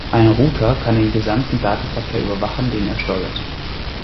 Ein Router kann den gesamten Datenverkehr überwachen, den er steuert.